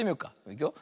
いくよ。